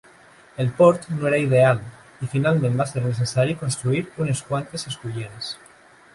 El port no era ideal, i finalment va ser necessari construir unes quantes esculleres.